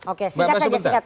oke singkat saja